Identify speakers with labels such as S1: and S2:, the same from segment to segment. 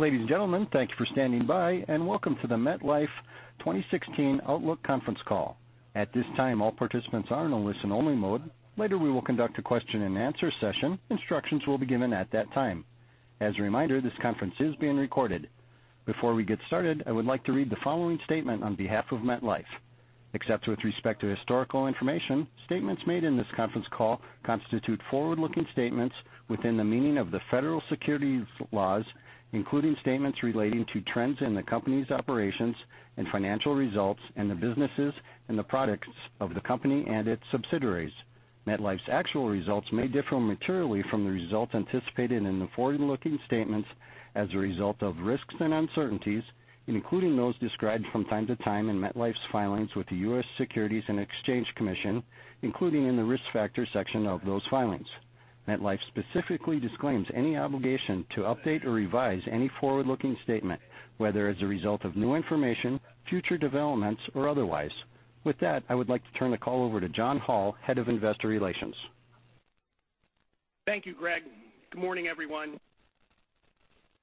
S1: Ladies and gentlemen, thank you for standing by, and welcome to the MetLife 2016 Outlook Conference Call. At this time, all participants are in a listen-only mode. Later, we will conduct a question and answer session. Instructions will be given at that time. As a reminder, this conference is being recorded. Before we get started, I would like to read the following statement on behalf of MetLife. Except with respect to historical information, statements made in this conference call constitute forward-looking statements within the meaning of the federal securities laws, including statements relating to trends in the company's operations and financial results and the businesses and the products of the company and its subsidiaries. MetLife's actual results may differ materially from the results anticipated in the forward-looking statements as a result of risks and uncertainties, and including those described from time to time in MetLife's filings with the U.S. Securities and Exchange Commission, including in the Risk Factors Section of those filings. MetLife specifically disclaims any obligation to update or revise any forward-looking statement, whether as a result of new information, future developments, or otherwise. With that, I would like to turn the call over to John Hall, Head of Investor Relations.
S2: Thank you, Greg. Good morning, everyone.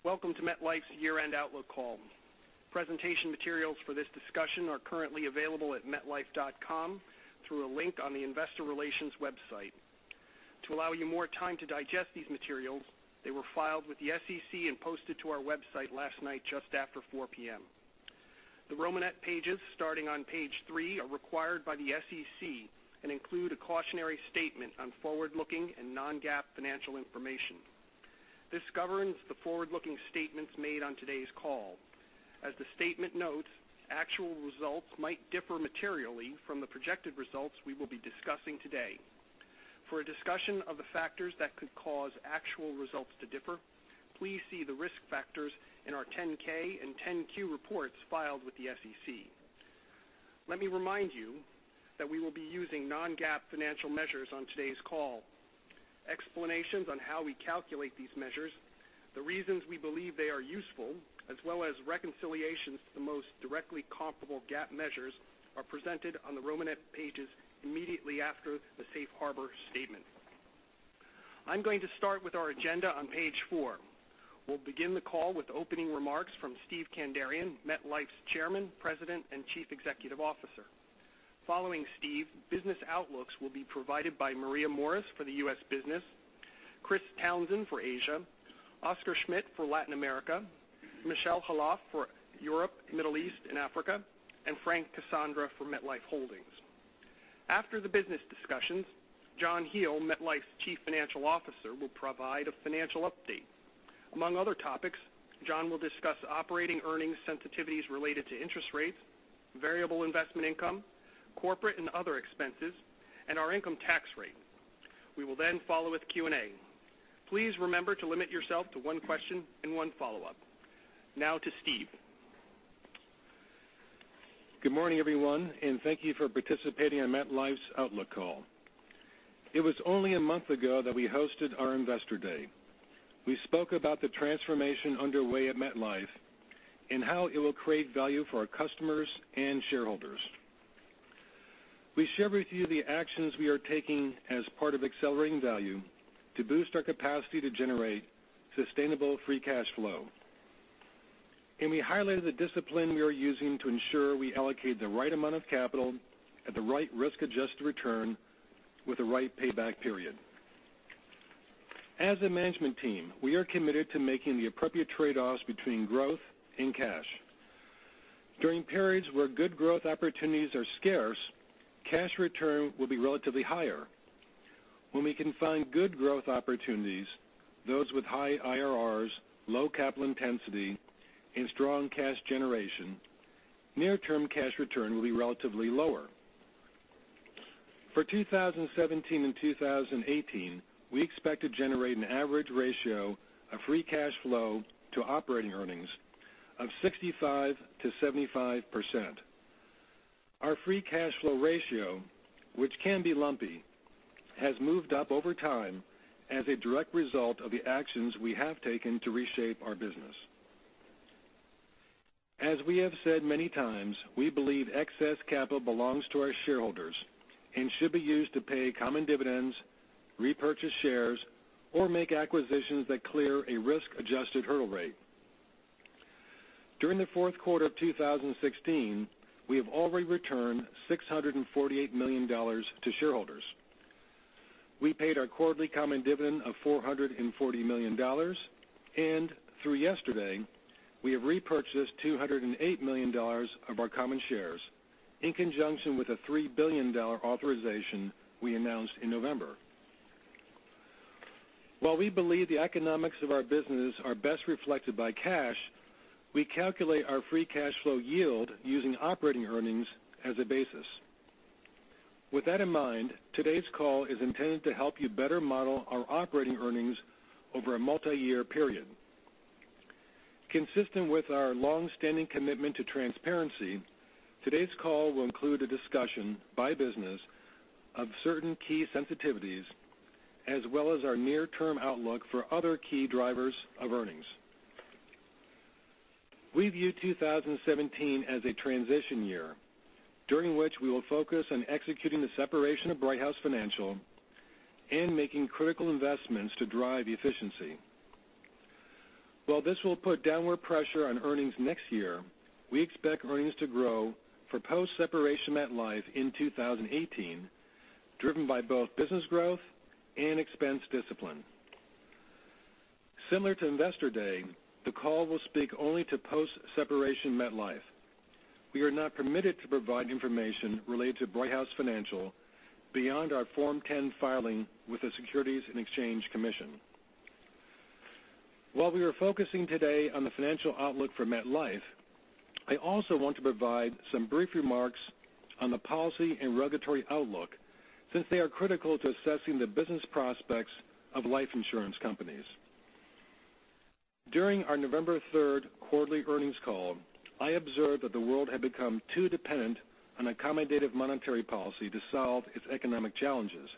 S2: Welcome to MetLife's Year-End Outlook Call. Presentation materials for this discussion are currently available at metlife.com through a link on the investor relations website. To allow you more time to digest these materials, they were filed with the SEC and posted to our website last night just after 4:00 P.M. The Romanette pages starting on page three are required by the SEC and include a cautionary statement on forward-looking and non-GAAP financial information. This governs the forward-looking statements made on today's call. As the statement notes, actual results might differ materially from the projected results we will be discussing today. For a discussion of the factors that could cause actual results to differ, please see the risk factors in our 10-K and 10-Q reports filed with the SEC. Let me remind you that we will be using non-GAAP financial measures on today's call. Explanations on how we calculate these measures, the reasons we believe they are useful, as well as reconciliations to the most directly comparable GAAP measures, are presented on the Romanette pages immediately after the safe harbor statement. I'm going to start with our agenda on page four. We'll begin the call with opening remarks from Steve Kandarian, MetLife's Chairman, President, and Chief Executive Officer. Following Steve, business outlooks will be provided by Maria Morris for the U.S. business, Chris Townsend for Asia, Oscar Schmidt for Latin America, Michel Khalaf for Europe, Middle East, and Africa, and Frank Cassandra for MetLife Holdings. After the business discussions, John McCallion, MetLife's Chief Financial Officer, will provide a financial update. Among other topics, John will discuss operating earnings sensitivities related to interest rates, variable investment income, corporate and other expenses, and our income tax rate. We will follow with Q&A. Please remember to limit yourself to one question and one follow-up. Now to Steve.
S3: Good morning, everyone, and thank you for participating in MetLife's Outlook Call. It was only a month ago that we hosted our Investor Day. We spoke about the transformation underway at MetLife and how it will create value for our customers and shareholders. We shared with you the actions we are taking as part of Accelerating Value to boost our capacity to generate sustainable free cash flow. We highlighted the discipline we are using to ensure we allocate the right amount of capital at the right risk-adjusted return with the right payback period. As a management team, we are committed to making the appropriate trade-offs between growth and cash. During periods where good growth opportunities are scarce, cash return will be relatively higher. When we can find good growth opportunities, those with high IRRs, low capital intensity, and strong cash generation, near-term cash return will be relatively lower. For 2017 and 2018, we expect to generate an average ratio of free cash flow to operating earnings of 65%-75%. Our free cash flow ratio, which can be lumpy, has moved up over time as a direct result of the actions we have taken to reshape our business. As we have said many times, we believe excess capital belongs to our shareholders and should be used to pay common dividends, repurchase shares, or make acquisitions that clear a risk-adjusted hurdle rate. During the fourth quarter of 2016, we have already returned $648 million to shareholders. We paid our quarterly common dividend of $440 million, and through yesterday, we have repurchased $208 million of our common shares in conjunction with a $3 billion authorization we announced in November. While we believe the economics of our business are best reflected by cash, we calculate our free cash flow yield using operating earnings as a basis. With that in mind, today's call is intended to help you better model our operating earnings over a multi-year period. Consistent with our long-standing commitment to transparency, today's call will include a discussion by business of certain key sensitivities, as well as our near-term outlook for other key drivers of earnings. We view 2017 as a transition year, during which we will focus on executing the separation of Brighthouse Financial and making critical investments to drive efficiency. While this will put downward pressure on earnings next year, we expect earnings to grow for post-separation MetLife in 2018, driven by both business growth and expense discipline. Similar to Investor Day, the call will speak only to post-separation MetLife. We are not permitted to provide information related to Brighthouse Financial beyond our Form 10 filing with the Securities and Exchange Commission. While we are focusing today on the financial outlook for MetLife, I also want to provide some brief remarks on the policy and regulatory outlook since they are critical to assessing the business prospects of life insurance companies. During our November 3rd quarterly earnings call, I observed that the world had become too dependent on accommodative monetary policy to solve its economic challenges.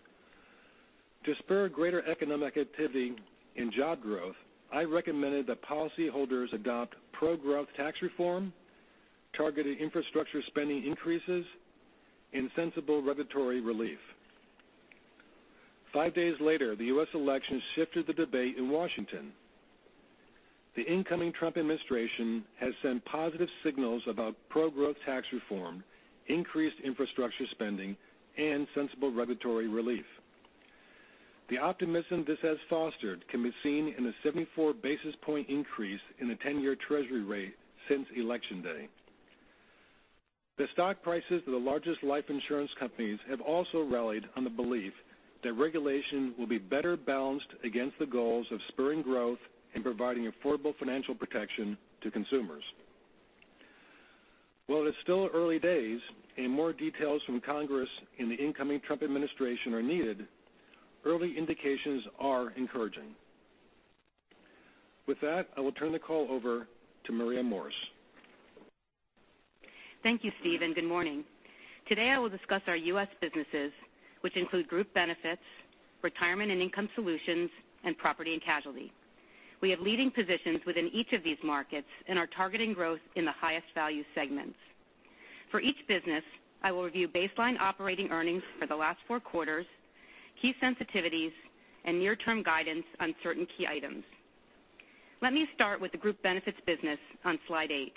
S3: To spur greater economic activity and job growth, I recommended that policymakers adopt pro-growth tax reform, targeted infrastructure spending increases, and sensible regulatory relief. Five days later, the U.S. election shifted the debate in Washington. The incoming Trump administration has sent positive signals about pro-growth tax reform, increased infrastructure spending, and sensible regulatory relief. The optimism this has fostered can be seen in a 74 basis points increase in the 10-year Treasury rate since Election Day. The stock prices of the largest life insurance companies have also rallied on the belief that regulation will be better balanced against the goals of spurring growth and providing affordable financial protection to consumers. While it's still early days and more details from Congress and the incoming Trump administration are needed, early indications are encouraging. With that, I will turn the call over to Maria Morris.
S4: Thank you, Steve, and good morning. Today, I will discuss our U.S. businesses, which include Group Benefits, Retirement and Income Solutions, and Property and Casualty. We have leading positions within each of these markets and are targeting growth in the highest value segments. For each business, I will review baseline operating earnings for the last four quarters, key sensitivities, and near-term guidance on certain key items. Let me start with the Group Benefits business on slide eight.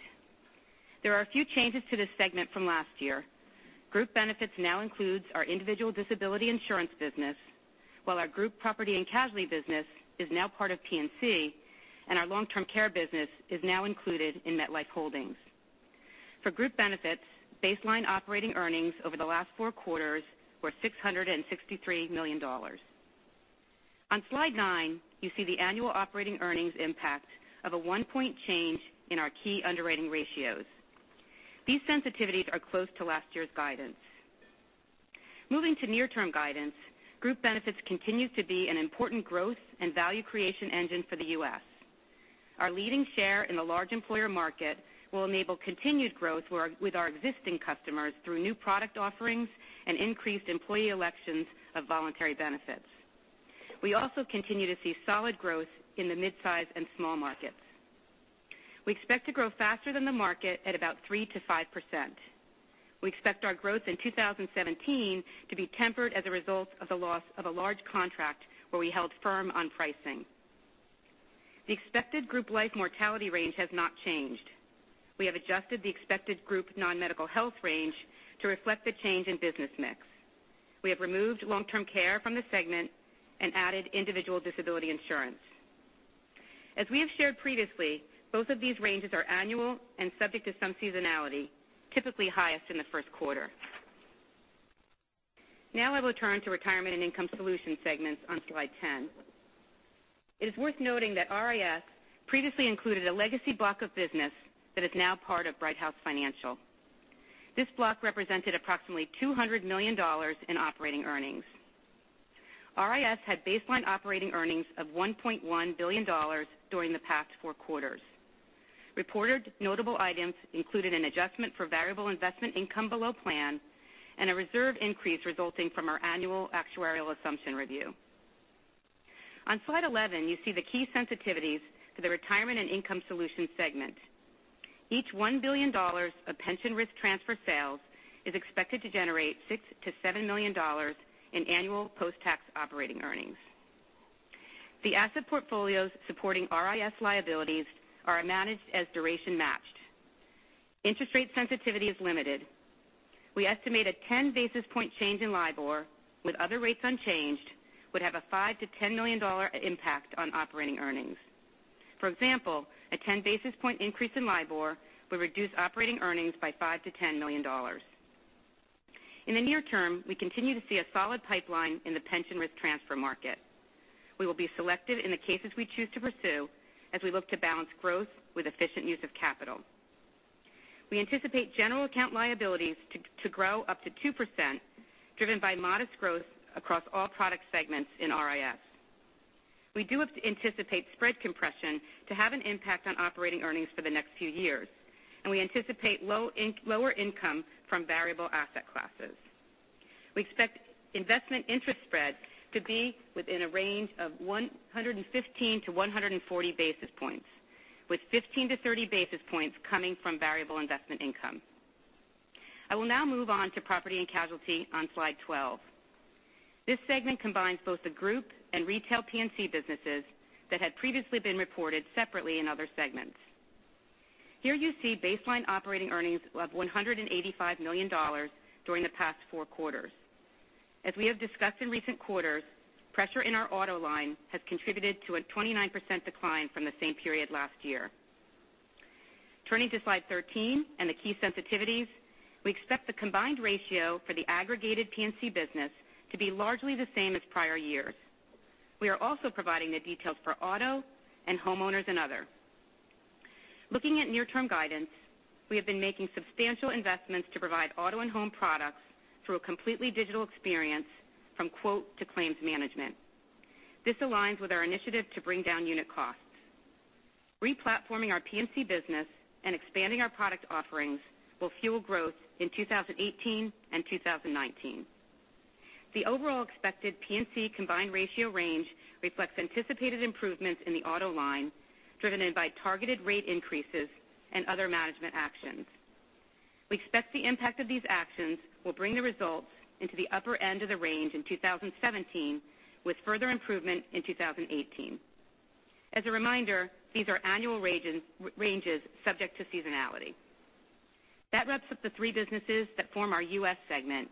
S4: There are a few changes to this segment from last year. Group Benefits now includes our individual disability insurance business, while our Group Property and Casualty business is now part of P&C, and our long-term care business is now included in MetLife Holdings. For Group Benefits, baseline operating earnings over the last four quarters were $663 million. On slide nine, you see the annual operating earnings impact of a one point change in our key underwriting ratios. These sensitivities are close to last year's guidance. Moving to near-term guidance, Group Benefits continues to be an important growth and value creation engine for the U.S. Our leading share in the large employer market will enable continued growth with our existing customers through new product offerings and increased employee elections of voluntary benefits. We also continue to see solid growth in the midsize and small markets. We expect to grow faster than the market at about 3%-5%. We expect our growth in 2017 to be tempered as a result of the loss of a large contract where we held firm on pricing. The expected group life mortality range has not changed. We have adjusted the expected group non-medical health range to reflect the change in business mix. We have removed long-term care from the segment and added individual disability insurance. As we have shared previously, both of these ranges are annual and subject to some seasonality, typically highest in the first quarter. I will now turn to Retirement and Income Solutions segments on slide 10. It is worth noting that RIS previously included a legacy block of business that is now part of Brighthouse Financial. This block represented approximately $200 million in operating earnings. RIS had baseline operating earnings of $1.1 billion during the past four quarters. Reported notable items included an adjustment for variable investment income below plan and a reserve increase resulting from our annual actuarial assumption review. On slide 11, you see the key sensitivities to the Retirement and Income Solutions segment. Each $1 billion of pension risk transfer sales is expected to generate $6 million-$7 million in annual post-tax operating earnings. The asset portfolios supporting RIS liabilities are managed as duration matched. Interest rate sensitivity is limited. We estimate a 10 basis point change in LIBOR with other rates unchanged would have a $5 million-$10 million impact on operating earnings. For example, a 10 basis point increase in LIBOR would reduce operating earnings by $5 million-$10 million. In the near term, we continue to see a solid pipeline in the pension risk transfer market. We will be selective in the cases we choose to pursue as we look to balance growth with efficient use of capital. We anticipate general account liabilities to grow up to 2%, driven by modest growth across all product segments in RIS. We do anticipate spread compression to have an impact on operating earnings for the next few years, and we anticipate lower income from variable asset classes. We expect investment interest spread to be within a range of 115-140 basis points, with 15-30 basis points coming from variable investment income. I will now move on to Property & Casualty on slide 12. This segment combines both the Group and Retail P&C businesses that had previously been reported separately in other segments. Here you see baseline operating earnings of $185 million during the past four quarters. As we have discussed in recent quarters, pressure in our auto line has contributed to a 29% decline from the same period last year. Turning to slide 13 and the key sensitivities, we expect the combined ratio for the aggregated P&C business to be largely the same as prior years. We are also providing the details for auto and homeowners and other. Looking at near-term guidance, we have been making substantial investments to provide auto and home products through a completely digital experience from quote to claims management. This aligns with our initiative to bring down unit costs. Replatforming our P&C business and expanding our product offerings will fuel growth in 2018 and 2019. The overall expected P&C combined ratio range reflects anticipated improvements in the auto line, driven in by targeted rate increases and other management actions. We expect the impact of these actions will bring the results into the upper end of the range in 2017, with further improvement in 2018. As a reminder, these are annual ranges subject to seasonality. That wraps up the three businesses that form our U.S. segment.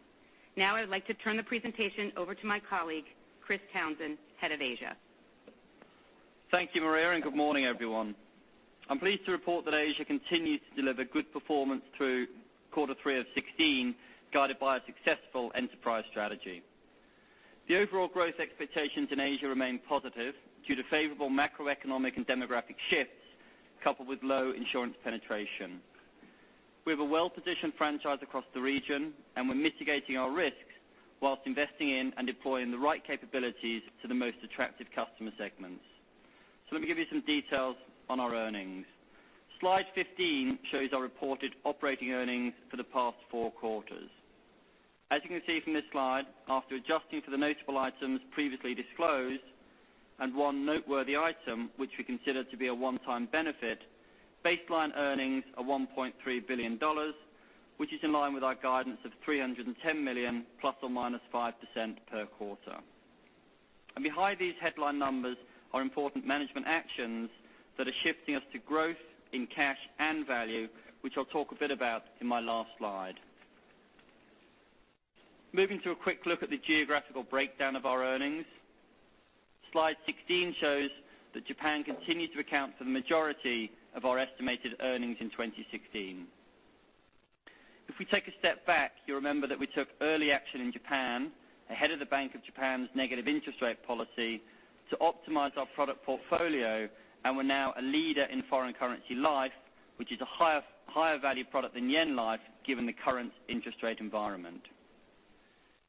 S4: I'd like to turn the presentation over to my colleague, Chris Townsend, head of Asia.
S5: Thank you, Maria R. Morris, and good morning, everyone. I'm pleased to report that Asia continues to deliver good performance through quarter three of 2016, guided by a successful enterprise strategy. The overall growth expectations in Asia remain positive due to favorable macroeconomic and demographic shifts, coupled with low insurance penetration. We have a well-positioned franchise across the region, and we're mitigating our risks whilst investing in and deploying the right capabilities to the most attractive customer segments. Let me give you some details on our earnings. Slide 15 shows our reported operating earnings for the past four quarters. As you can see from this slide, after adjusting for the notable items previously disclosed, and one noteworthy item which we consider to be a one-time benefit, baseline earnings are $1.3 billion, which is in line with our guidance of $310 million ±5% per quarter. Behind these headline numbers are important management actions that are shifting us to growth in cash and value, which I'll talk a bit about in my last slide. Moving to a quick look at the geographical breakdown of our earnings. Slide 16 shows that Japan continues to account for the majority of our estimated earnings in 2016. If we take a step back, you'll remember that we took early action in Japan ahead of the Bank of Japan's negative interest rate policy to optimize our product portfolio, and we're now a leader in foreign currency life, which is a higher value product than yen life, given the current interest rate environment.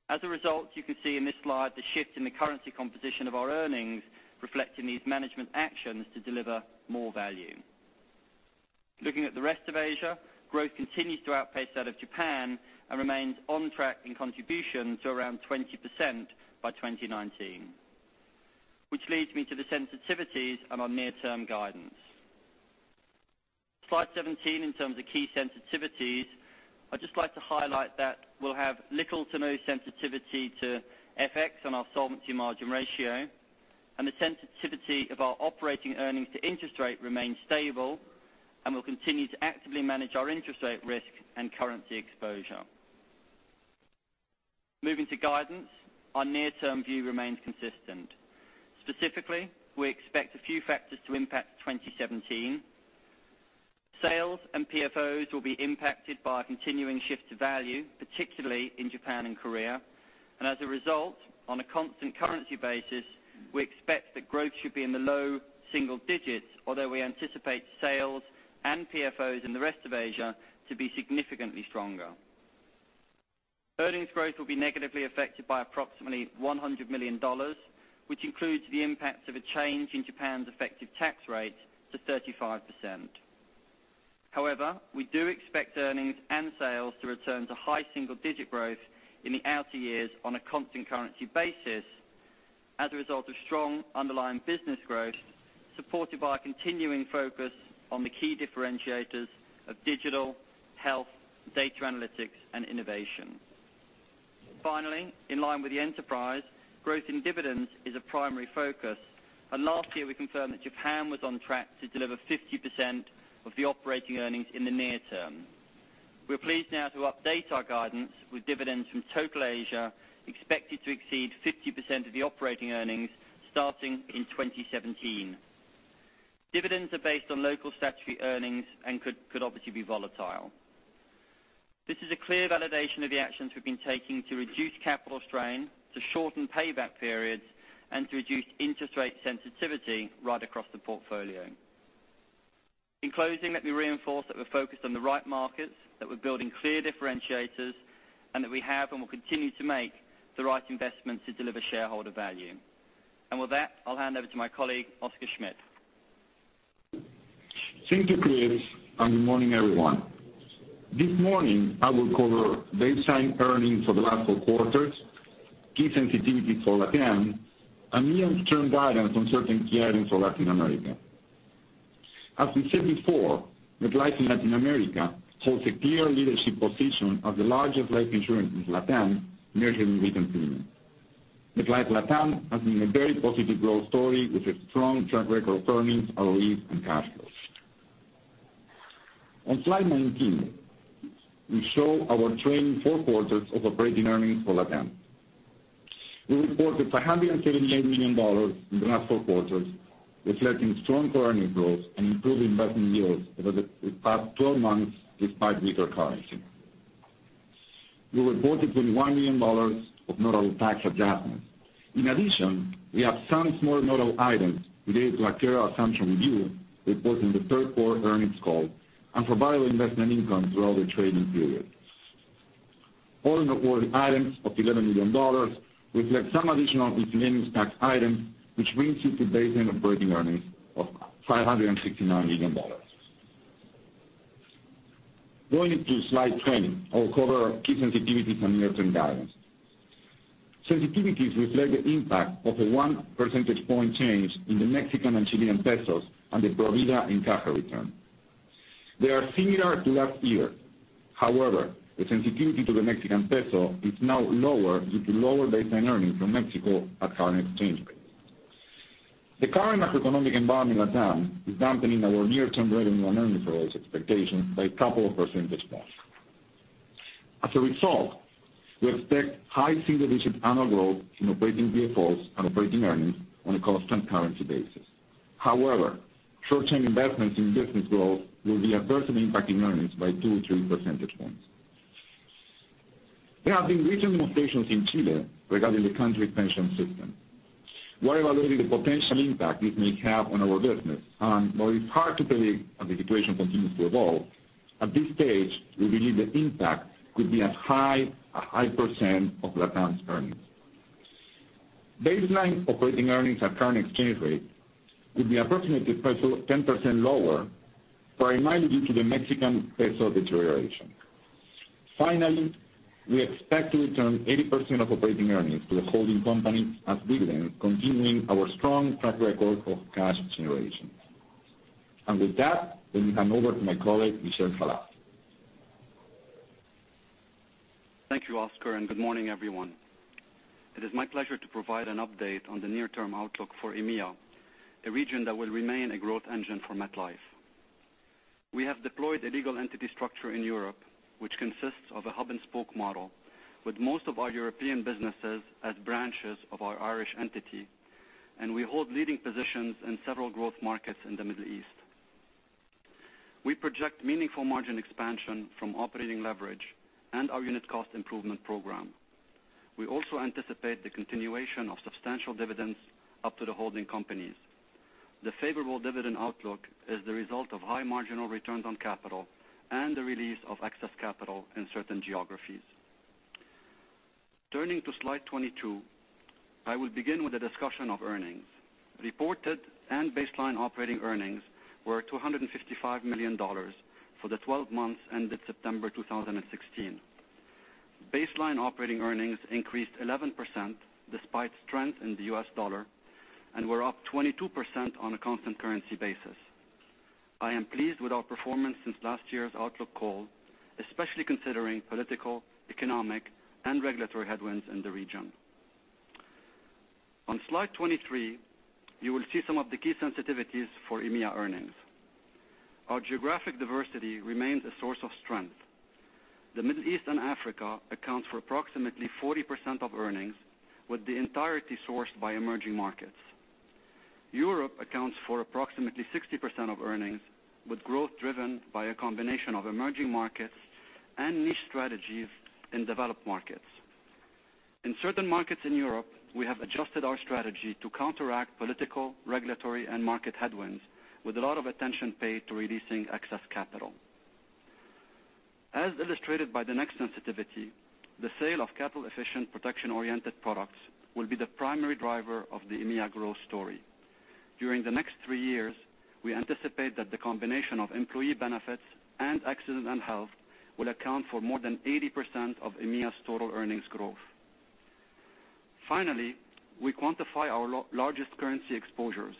S5: As a result, you can see in this slide the shift in the currency composition of our earnings reflecting these management actions to deliver more value. Looking at the rest of Asia, growth continues to outpace that of Japan and remains on track in contribution to around 20% by 2019. This leads me to the sensitivities and our near-term guidance. Slide 17, in terms of key sensitivities, I'd just like to highlight that we'll have little to no sensitivity to FX on our solvency margin ratio, and the sensitivity of our operating earnings to interest rate remains stable, and we'll continue to actively manage our interest rate risk and currency exposure. Moving to guidance, our near-term view remains consistent. Specifically, we expect a few factors to impact 2017. Sales and PFOs will be impacted by a continuing shift to value, particularly in Japan and Korea. As a result, on a constant currency basis, we expect that growth should be in the low single digits, although we anticipate sales and PFOs in the rest of Asia to be significantly stronger. Earnings growth will be negatively affected by approximately $100 million, which includes the impact of a change in Japan's effective tax rate to 35%. However, we do expect earnings and sales to return to high single digit growth in the outer years on a constant currency basis as a result of strong underlying business growth, supported by a continuing focus on the key differentiators of digital, health, data analytics, and innovation. Finally, in line with the enterprise, growth in dividends is a primary focus, and last year we confirmed that Japan was on track to deliver 50% of the operating earnings in the near term. We are pleased now to update our guidance with dividends from total Asia expected to exceed 50% of the operating earnings starting in 2017. Dividends are based on local statutory earnings and could obviously be volatile. This is a clear validation of the actions we've been taking to reduce capital strain, to shorten payback periods, and to reduce interest rate sensitivity right across the portfolio. In closing, let me reinforce that we're focused on the right markets, that we're building clear differentiators, and that we have and will continue to make the right investments to deliver shareholder value. With that, I'll hand over to my colleague, Oscar Schmidt.
S6: Thank you, Chris, and good morning, everyone. This morning I will cover baseline earnings for the last four quarters, key sensitivities for LatAm, and near-term guidance on certain key items for Latin America. As we said before, MetLife in Latin America holds a clear leadership position as the largest life insurance in LatAm, measured in written premium. MetLife LatAm has been a very positive growth story with a strong track record of earnings, ROE, and cash flows. On slide 19, we show our trailing four quarters of operating earnings for LatAm. We reported $579 million in the last four quarters, reflecting strong currency growth and improving investment yields over the past 12 months despite weaker currency. We reported $21 million of notable tax adjustments. In addition, we have some small notable items related to our tax return review reported in the third quarter earnings call and from variable investment income throughout the trading period. All-in-all items of $11 million reflect some additional continuing tax items, which brings you to baseline operating earnings of $569 million. Going into slide 20, I'll cover our key sensitivities and near-term guidance. Sensitivities reflect the impact of a one percentage point change in the Mexican and Chilean pesos and the Provida encaje return. They are similar to last year. However, the sensitivity to the Mexican peso is now lower due to lower baseline earnings from Mexico at current exchange rates. The current macroeconomic environment in LatAm is dampening our near-term revenue and earnings growth expectations by a couple of percentage points. As a result, we expect high single-digit annual growth in operating PFOs and operating earnings on a constant currency basis. However, short-term investments in business growth will be adversely impacting earnings by two or three percentage points. There have been recent demonstrations in Chile regarding the country's pension system. We're evaluating the potential impact this may have on our business. While it's hard to predict how the situation continues to evolve, at this stage, we believe the impact could be as high as a high percent of LatAm's earnings. Baseline operating earnings at current exchange rates could be approximately 10% lower, primarily due to the Mexican peso deterioration. Finally, we expect to return 80% of operating earnings to the holding company as dividends, continuing our strong track record of cash generation. With that, let me hand over to my colleague, Michel Khalaf.
S7: Thank you, Oscar, and good morning, everyone. It is my pleasure to provide an update on the near-term outlook for EMEA, a region that will remain a growth engine for MetLife. We have deployed a legal entity structure in Europe, which consists of a hub and spoke model with most of our European businesses as branches of our Irish entity, and we hold leading positions in several growth markets in the Middle East. We project meaningful margin expansion from operating leverage and our unit cost improvement program. We also anticipate the continuation of substantial dividends up to the holding companies. The favorable dividend outlook is the result of high marginal returns on capital and the release of excess capital in certain geographies. Turning to slide 22, I will begin with a discussion of earnings. Reported and baseline operating earnings were $255 million for the 12 months ended September 2016. Baseline operating earnings increased 11% despite strength in the U.S. dollar and were up 22% on a constant currency basis. I am pleased with our performance since last year's outlook call, especially considering political, economic, and regulatory headwinds in the region. On slide 23, you will see some of the key sensitivities for EMEA earnings. Our geographic diversity remains a source of strength. The Middle East and Africa account for approximately 40% of earnings, with the entirety sourced by emerging markets. Europe accounts for approximately 60% of earnings, with growth driven by a combination of emerging markets and niche strategies in developed markets. In certain markets in Europe, we have adjusted our strategy to counteract political, regulatory, and market headwinds with a lot of attention paid to releasing excess capital. As illustrated by the next sensitivity, the sale of capital-efficient, protection-oriented products will be the primary driver of the EMEA growth story. During the next three years, we anticipate that the combination of employee benefits and accident and health will account for more than 80% of EMEA's total earnings growth. Finally, we quantify our largest currency exposures.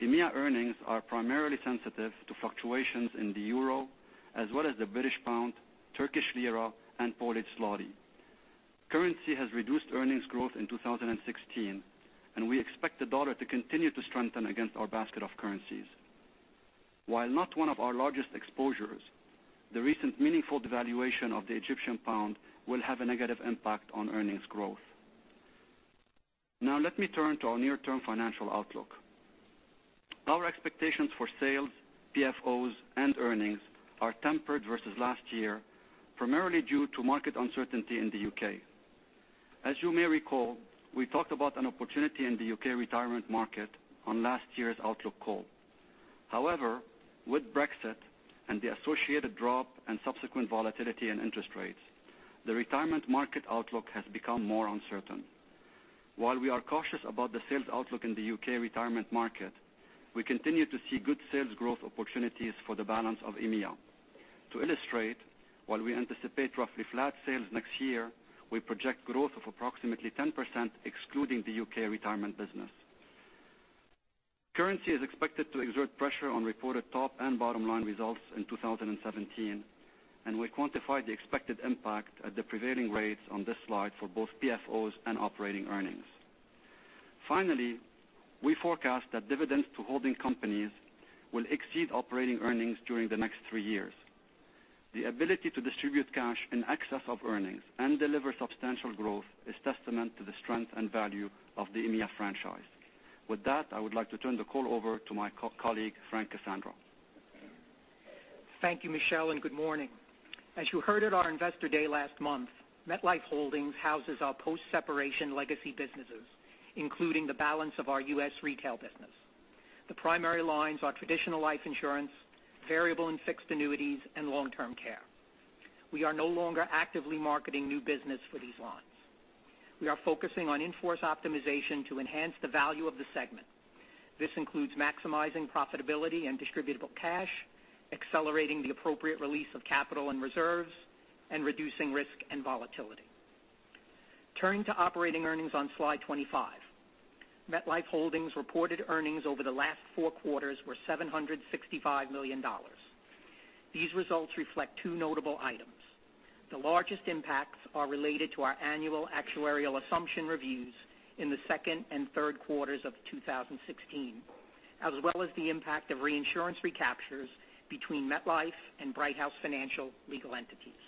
S7: EMEA earnings are primarily sensitive to fluctuations in the EUR as well as the GBP, TRY, and PLN. Currency has reduced earnings growth in 2016, and we expect the dollar to continue to strengthen against our basket of currencies. While not one of our largest exposures, the recent meaningful devaluation of the EGP will have a negative impact on earnings growth. Now let me turn to our near-term financial outlook. Our expectations for sales, PFOs, and earnings are tempered versus last year, primarily due to market uncertainty in the U.K. As you may recall, we talked about an opportunity in the U.K. retirement market on last year's outlook call. However, with Brexit and the associated drop and subsequent volatility in interest rates, the retirement market outlook has become more uncertain. While we are cautious about the sales outlook in the U.K. retirement market, we continue to see good sales growth opportunities for the balance of EMEA. To illustrate, while we anticipate roughly flat sales next year, we project growth of approximately 10%, excluding the U.K. retirement business. Currency is expected to exert pressure on reported top and bottom-line results in 2017, and we quantify the expected impact at the prevailing rates on this slide for both PFOs and operating earnings. Finally, we forecast that dividends to holding companies will exceed operating earnings during the next three years. The ability to distribute cash in excess of earnings and deliver substantial growth is testament to the strength and value of the EMEA franchise. With that, I would like to turn the call over to my colleague, Frank Cassandra.
S8: Thank you, Michel. Good morning. As you heard at our investor day last month, MetLife Holdings houses our post-separation legacy businesses, including the balance of our U.S. retail business. The primary lines are traditional life insurance, variable and fixed annuities, and long-term care. We are no longer actively marketing new business for these lines. We are focusing on in-force optimization to enhance the value of the segment. This includes maximizing profitability and distributable cash, accelerating the appropriate release of capital and reserves, and reducing risk and volatility. Turning to operating earnings on slide 25. MetLife Holdings reported earnings over the last four quarters were $765 million. These results reflect two notable items. The largest impacts are related to our annual actuarial assumption reviews in the second and third quarters of 2016, as well as the impact of reinsurance recaptures between MetLife and Brighthouse Financial legal entities.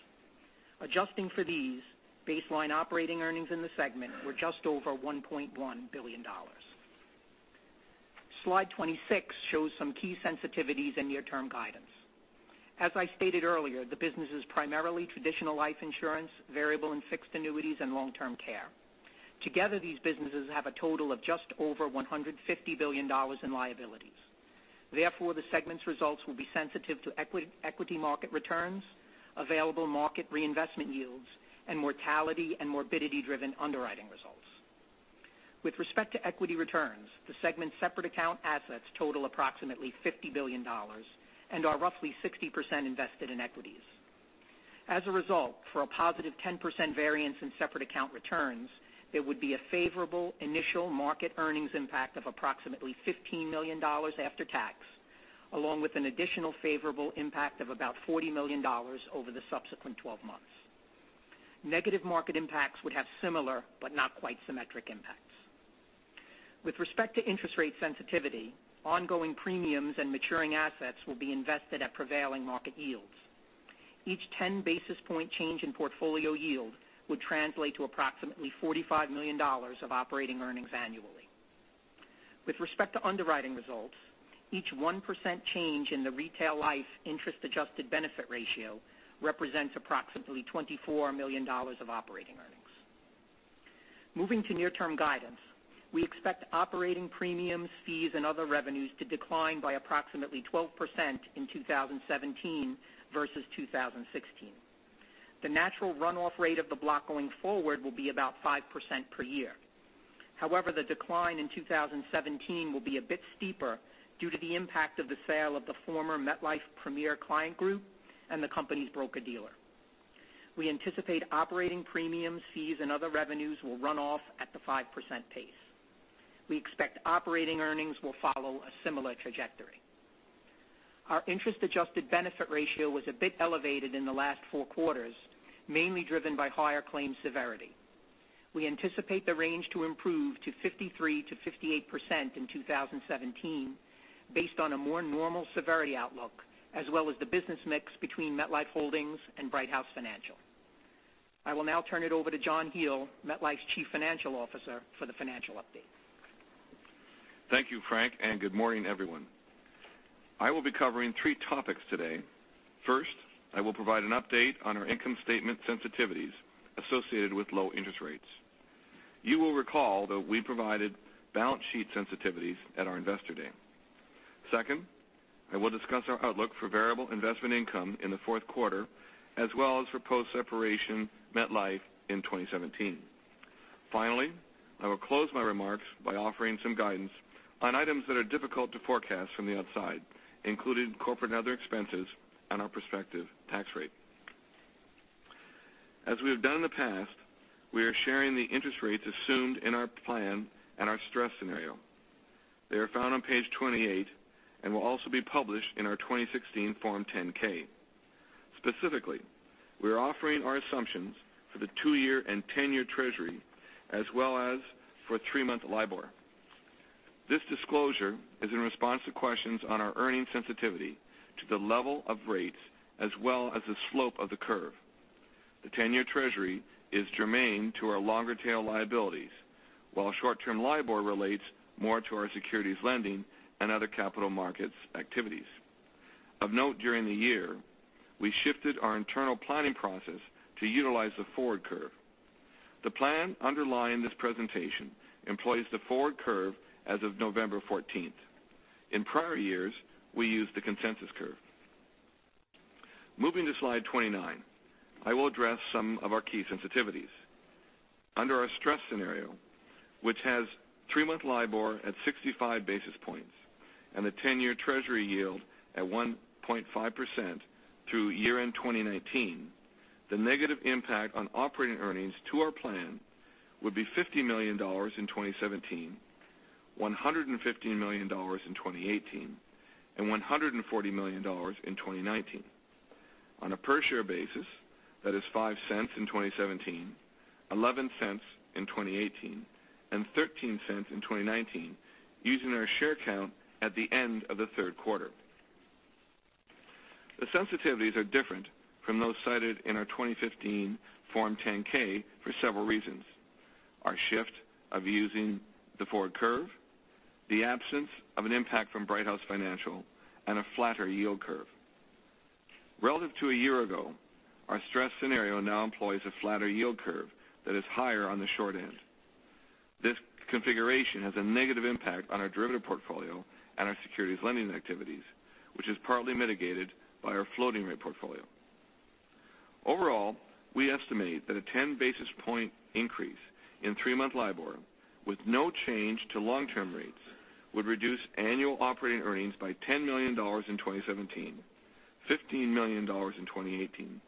S8: Adjusting for these, baseline operating earnings in the segment were just over $1.1 billion. Slide 26 shows some key sensitivities and near-term guidance. As I stated earlier, the business is primarily traditional life insurance, variable and fixed annuities, and long-term care. Together, these businesses have a total of just over $150 billion in liabilities. Therefore, the segment's results will be sensitive to equity market returns, available market reinvestment yields, and mortality and morbidity-driven underwriting results. With respect to equity returns, the segment's separate account assets total approximately $50 billion and are roughly 60% invested in equities. As a result, for a positive 10% variance in separate account returns, there would be a favorable initial market earnings impact of approximately $15 million after tax, along with an additional favorable impact of about $40 million over the subsequent 10 months. Negative market impacts would have similar but not quite symmetric impacts. With respect to interest rate sensitivity, ongoing premiums and maturing assets will be invested at prevailing market yields. Each 10-basis-point change in portfolio yield would translate to approximately $45 million of operating earnings annually. With respect to underwriting results, each 1% change in the retail life interest-adjusted benefit ratio represents approximately $24 million of operating earnings. Moving to near-term guidance, we expect operating premiums, fees, and other revenues to decline by approximately 12% in 2017 versus 2016. The natural runoff rate of the block going forward will be about 5% per year. However, the decline in 2017 will be a bit steeper due to the impact of the sale of the former MetLife Premier Client Group and the company's broker-dealer. We anticipate operating premiums, fees, and other revenues will run off at the 5% pace. We expect operating earnings will follow a similar trajectory. Our interest-adjusted benefit ratio was a bit elevated in the last four quarters, mainly driven by higher claim severity. We anticipate the range to improve to 53%-58% in 2017 based on a more normal severity outlook as well as the business mix between MetLife Holdings and Brighthouse Financial. I will now turn it over to John McCallion, MetLife's Chief Financial Officer, for the financial update.
S9: Thank you, Frank, and good morning, everyone. I will be covering three topics today. First, I will provide an update on our income statement sensitivities associated with low interest rates. You will recall that we provided balance sheet sensitivities at our investor day. Second, I will discuss our outlook for variable investment income in the fourth quarter as well as for post-separation MetLife in 2017. Finally, I will close my remarks by offering some guidance on items that are difficult to forecast from the outside, including corporate and other expenses and our prospective tax rate. As we have done in the past, we are sharing the interest rates assumed in our plan and our stress scenario. They are found on page 28 and will also be published in our 2016 Form 10-K. Specifically, we are offering our assumptions for the two-year and 10-year Treasury as well as for three-month LIBOR. This disclosure is in response to questions on our earnings sensitivity to the level of rates as well as the slope of the curve. The 10-year Treasury is germane to our longer-tail liabilities, while short-term LIBOR relates more to our securities lending and other capital markets activities. Of note during the year, we shifted our internal planning process to utilize the forward curve. The plan underlying this presentation employs the forward curve as of November 14th. In prior years, we used the consensus curve. Moving to slide 29, I will address some of our key sensitivities. Under our stress scenario, which has three-month LIBOR at 65 basis points and the 10-year Treasury yield at 1.5% through year-end 2019, the negative impact on operating earnings to our plan would be $50 million in 2017, $150 million in 2018, and $140 million in 2019. On a per-share basis, that is $0.05 in 2017, $0.11 in 2018, and $0.13 in 2019, using our share count at the end of the third quarter. The sensitivities are different from those cited in our 2015 Form 10-K for several reasons: our shift of using the forward curve, the absence of an impact from Brighthouse Financial, and a flatter yield curve. Relative to a year ago, our stress scenario now employs a flatter yield curve that is higher on the short end. This configuration has a negative impact on our derivative portfolio and our securities lending activities, which is partly mitigated by our floating rate portfolio. Overall, we estimate that a 10 basis point increase in three-month LIBOR with no change to long-term rates would reduce annual operating earnings by $10 million in 2017, $15 million in 2018,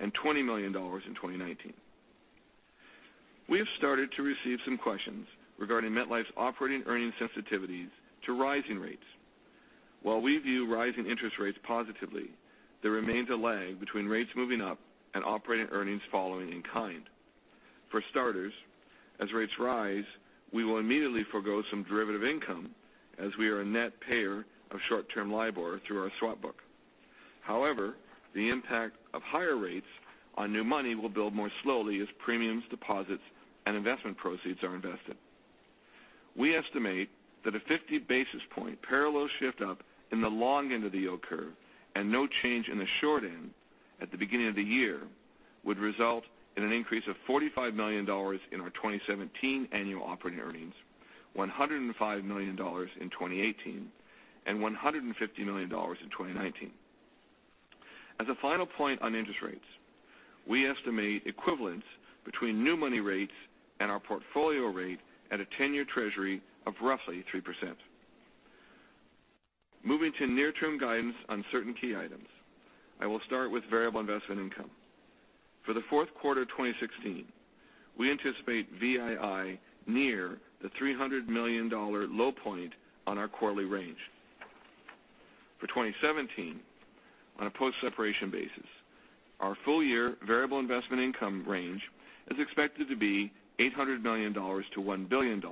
S9: and $20 million in 2019. We have started to receive some questions regarding MetLife's operating earnings sensitivities to rising rates. While we view rising interest rates positively, there remains a lag between rates moving up and operating earnings following in kind. For starters, as rates rise, we will immediately forego some derivative income as we are a net payer of short-term LIBOR through our swap book. However, the impact of higher rates on new money will build more slowly as premiums, deposits, and investment proceeds are invested. We estimate that a 50 basis point parallel shift up in the long end of the yield curve and no change in the short end at the beginning of the year would result in an increase of $45 million in our 2017 annual operating earnings, $105 million in 2018, and $150 million in 2019. As a final point on interest rates, we estimate equivalence between new money rates and our portfolio rate at a 10-year Treasury of roughly 3%. Moving to near-term guidance on certainty items, I will start with variable investment income. For the fourth quarter 2016, we anticipate VII near the $300 million low point on our quarterly range. For 2017, on a post-separation basis, our full year variable investment income range is expected to be $800 million to $1 billion,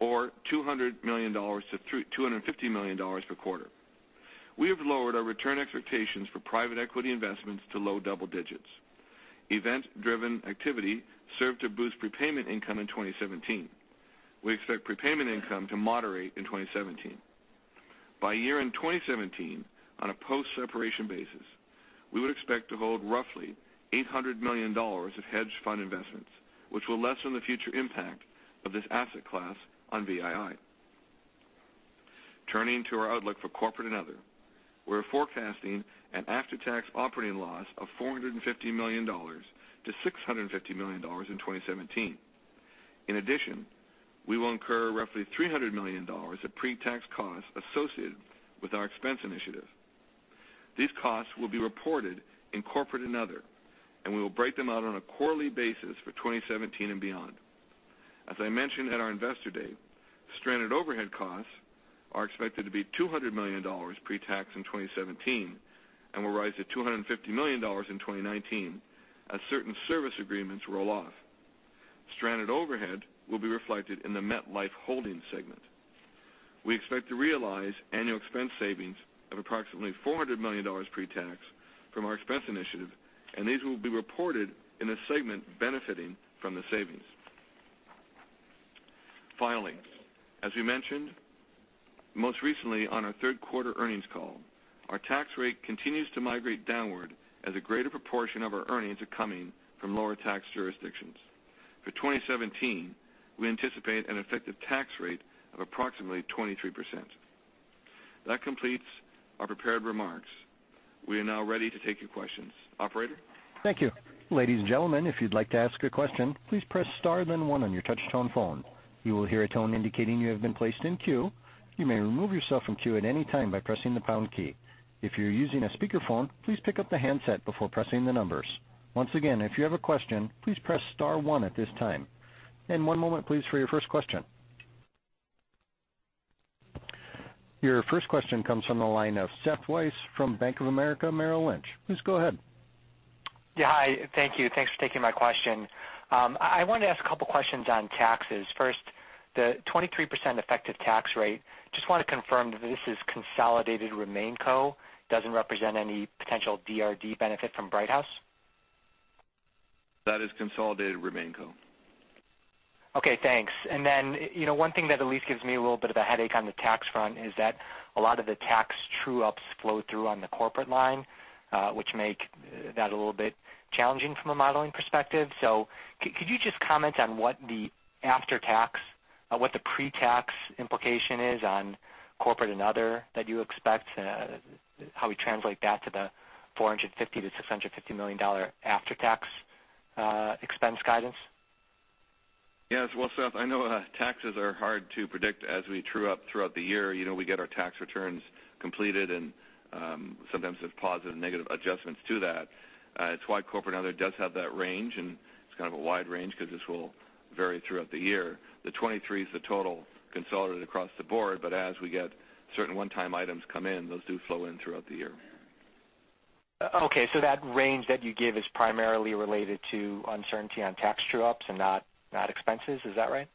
S9: or $200 million to $250 million per quarter. We have lowered our return expectations for private equity investments to low double digits. Event-driven activity served to boost prepayment income in 2017. We expect prepayment income to moderate in 2017. By year-end 2017, on a post-separation basis, we would expect to hold roughly $800 million of hedge fund investments, which will lessen the future impact of this asset class on VII. Turning to our outlook for corporate and other, we're forecasting an after-tax operating loss of $450 million to $650 million in 2017. In addition, we will incur roughly $300 million of pre-tax costs associated with our expense initiative. These costs will be reported in corporate and other, and we will break them out on a quarterly basis for 2017 and beyond. As I mentioned at our Investor Day, stranded overhead costs are expected to be $200 million pre-tax in 2017 and will rise to $250 million in 2019 as certain service agreements roll off. Stranded overhead will be reflected in the MetLife Holdings segment. We expect to realize annual expense savings of approximately $400 million pre-tax from our expense initiative, and these will be reported in the segment benefiting from the savings. Finally, as we mentioned most recently on our third quarter earnings call, our tax rate continues to migrate downward as a greater proportion of our earnings are coming from lower tax jurisdictions. For 2017, we anticipate an effective tax rate of approximately 23%. That completes our prepared remarks. We are now ready to take your questions. Operator?
S1: Thank you. Ladies and gentlemen, if you'd like to ask a question, please press star then one on your touch tone phone. You will hear a tone indicating you have been placed in queue. You may remove yourself from queue at any time by pressing the pound key. If you're using a speakerphone, please pick up the handset before pressing the numbers. Once again, if you have a question, please press star one at this time. One moment, please, for your first question. Your first question comes from the line of Seth Weiss from Bank of America Merrill Lynch. Please go ahead.
S10: Yeah. Hi. Thank you. Thanks for taking my question. I wanted to ask a couple questions on taxes. First, the 23% effective tax rate, just want to confirm that this is consolidated RemainCo, doesn't represent any potential DRD benefit from Brighthouse?
S9: That is consolidated RemainCo.
S10: Okay, thanks. One thing that at least gives me a little bit of a headache on the tax front is that a lot of the tax true-ups flow through on the corporate line, which make that a little bit challenging from a modeling perspective. Could you just comment on what the pre-tax implication is on corporate and other that you expect, how we translate that to the $450 million-$650 million after-tax expense guidance?
S9: Yes. Well, Seth, I know taxes are hard to predict as we true up throughout the year. We get our tax returns completed. Sometimes there's positive and negative adjustments to that. It's why corporate and other does have that range. It's kind of a wide range because this will vary throughout the year. The 23 is the total consolidated across the board, as we get certain one-time items come in, those do flow in throughout the year.
S10: Okay, that range that you give is primarily related to uncertainty on tax true-ups and not expenses. Is that right?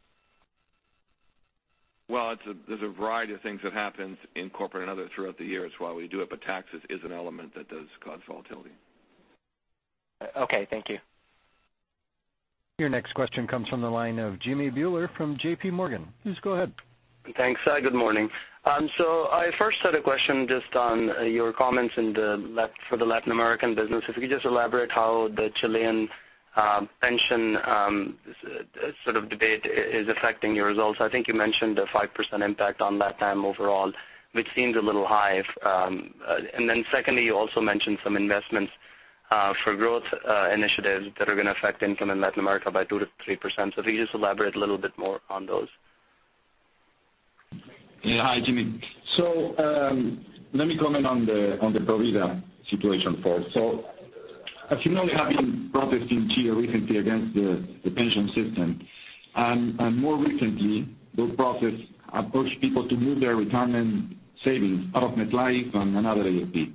S9: Well, there's a variety of things that happens in corporate and other throughout the year. It's why we do it, taxes is an element that does cause volatility.
S10: Okay, thank you.
S1: Your next question comes from the line of Jimmy Bhullar from J.P. Morgan. Please go ahead.
S11: Thanks. Good morning. I first had a question just on your comments for the Latin American business. If you could just elaborate how the Chilean pension sort of debate is affecting your results. I think you mentioned a 5% impact on LatAm overall, which seems a little high. Secondly, you also mentioned some investments for growth initiatives that are going to affect income in Latin America by 2%-3%. If you could just elaborate a little bit more on those.
S6: Yeah. Hi, Jimmy. Let me comment on the Provida situation first. As you know, we have been protesting Chile recently against the pension system. More recently, those protests approached people to move their retirement savings out of MetLife and another AFP.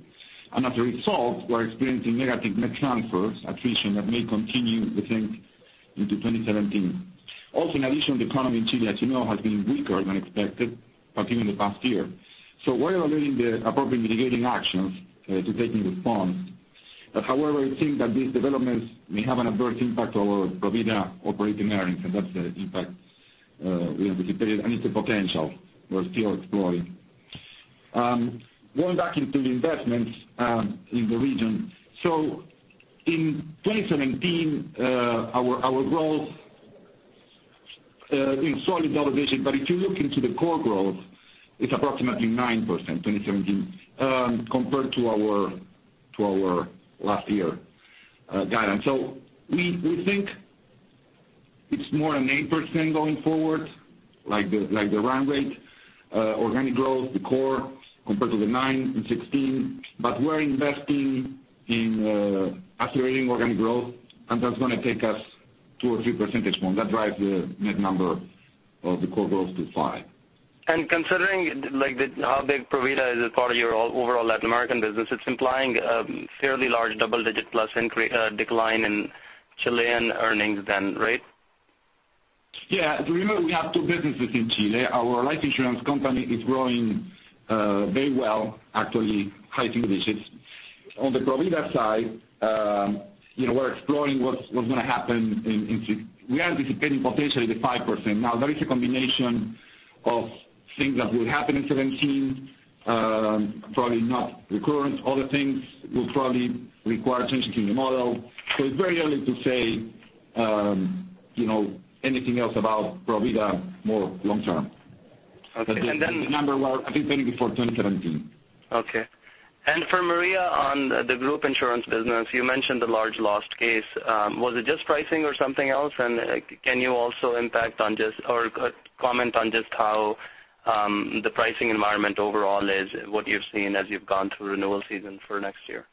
S6: As a result, we're experiencing negative net transfers, attrition that may continue, we think, into 2017. Also, in addition, the economy in Chile, as you know, has been weaker than expected, particularly in the past year. We're evaluating the appropriate mitigating actions to take in response. However, we think that these developments may have an adverse impact on our Provida operating earnings, and that's the impact we are anticipating, and it's a potential. We're still exploring. Going back into the investments in the region. In 2017, our growth in solid double digits. If you look into the core growth, it's approximately 9% in 2017 compared to our last year guidance. We think it's more an 8% going forward, like the run rate organic growth, the core compared to the nine in 2016. We're investing in accelerating organic growth, and that's going to take us two or three percentage points. That drives the net number of the core growth to five.
S11: Considering how big Provida is as part of your overall Latin American business, it's implying a fairly large double-digit plus decline in Chilean earnings then, right?
S6: Yeah. Remember, we have two businesses in Chile. Our life insurance company is growing very well, actually high two digits. On the Provida side, we're exploring what's going to happen. We are anticipating potentially the 5%. There is a combination of things that will happen in 2017, probably not recurrent. Other things will probably require attention to the model. It's very early to say anything else about Provida more long term.
S11: Okay.
S6: The number we are anticipating before 2017.
S11: Okay. For Maria on the group insurance business. You mentioned the large lost case. Was it just pricing or something else? Can you also comment on just how the pricing environment overall is, what you've seen as you've gone through renewal season for next year?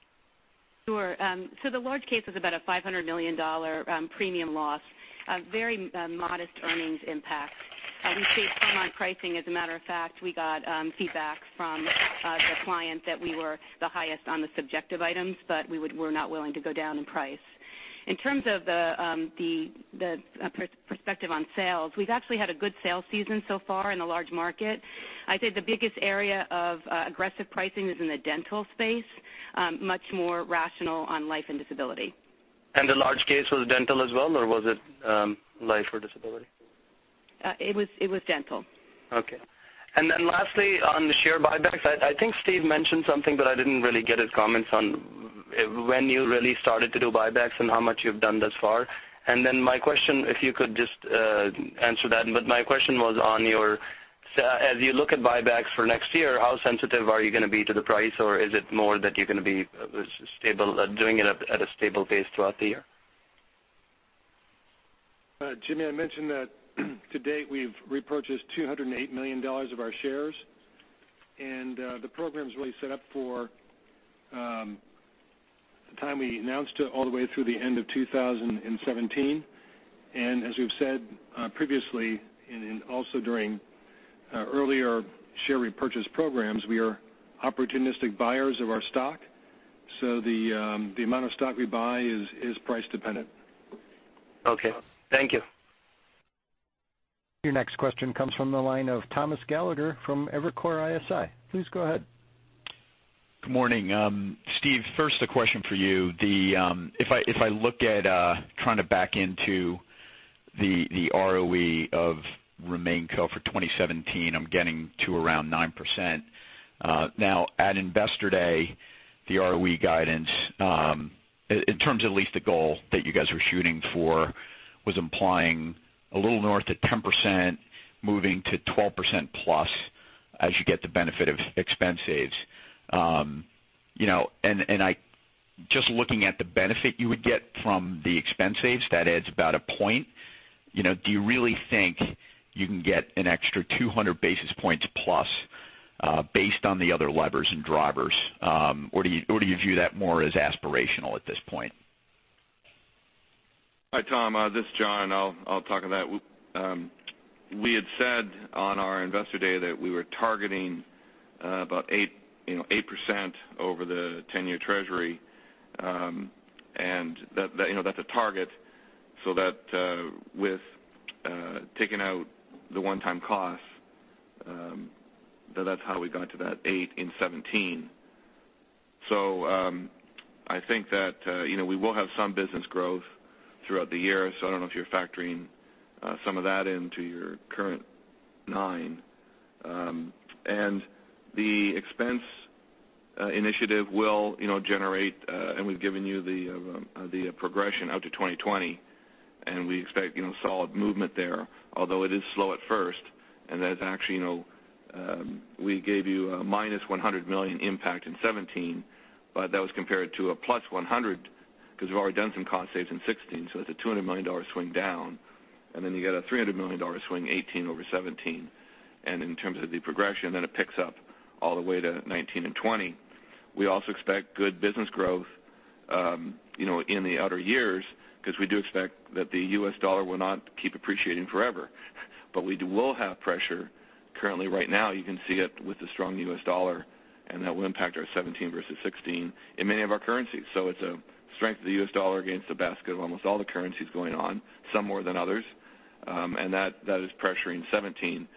S4: Sure. The large case was about a $500 million premium loss. A very modest earnings impact. We stayed firm on pricing. As a matter of fact, we got feedback from the client that we were the highest on the subjective items, but we were not willing to go down in price. In terms of the perspective on sales, we've actually had a good sales season so far in the large market. I'd say the biggest area of aggressive pricing is in the dental space. Much more rational on life and disability.
S11: The large case was dental as well, or was it life or disability?
S4: It was dental.
S11: Okay. Lastly, on the share buybacks. I think Steve mentioned something, but I didn't really get his comments on when you really started to do buybacks and how much you've done thus far. My question, if you could just answer that, as you look at buybacks for next year, how sensitive are you going to be to the price, or is it more that you're going to be doing it at a stable pace throughout the year?
S3: Jimmy, I mentioned that to date we've repurchased $208 million of our shares, the program's really set up for the time we announced it all the way through the end of 2017. As we've said previously, and also during earlier share repurchase programs, we are opportunistic buyers of our stock. The amount of stock we buy is price dependent.
S11: Okay. Thank you.
S1: Your next question comes from the line of Thomas Gallagher from Evercore ISI. Please go ahead.
S12: Good morning. Steve, first a question for you. If I look at trying to back into the ROE of RemainCo for 2017, I'm getting to around 9%. At Investor Day, the ROE guidance, in terms of at least the goal that you guys were shooting for, was implying a little north of 10%, moving to 12% plus as you get the benefit of expense saves. Just looking at the benefit you would get from the expense saves, that adds about a point. Do you really think you can get an extra 200 basis points plus, based on the other levers and drivers? Or do you view that more as aspirational at this point?
S9: Hi, Tom, this is John, I'll talk on that. We had said on our Investor Day that we were targeting about 8% over the 10-year treasury, that's a target, with taking out the one-time costs, that's how we got to that 8% in 2017. I think that we will have some business growth throughout the year, I don't know if you're factoring some of that into your current 9%. The expense initiative will generate, we've given you the progression out to 2020, we expect solid movement there, although it is slow at first, that is actually, we gave you a minus $100 million impact in 2017, that was compared to a plus $100 million, because we've already done some cost saves in 2016, it's a $200 million swing down, you get a $300 million swing 2018 over 2017. In terms of the progression, it picks up all the way to 2019 and 2020. We also expect good business growth in the outer years, because we do expect that the U.S. dollar will not keep appreciating forever. We will have pressure currently right now, you can see it with the strong U.S. dollar, that will impact our 2017 versus 2016 in many of our currencies. It's a strength of the U.S. dollar against a basket of almost all the currencies going on, some more than others, and that is pressuring 2017.